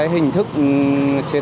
hình thức chế tài